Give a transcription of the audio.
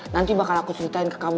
nanti bakal aku ceritain ke kamu